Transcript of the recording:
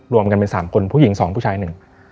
รวมกันเป็นสามคนผู้หญิงสองผู้ชายหนึ่ง